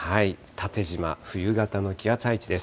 縦じま、冬型の気圧配置です。